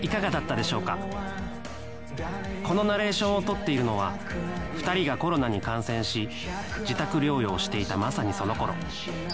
このナレーションをとっているのは２人がコロナに感染し自宅療養をしていたまさにその頃